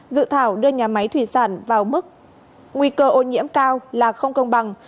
dự thảo đưa nhà máy thủy sản vào mức nguy cơ ô nhiễm cao là không công bằng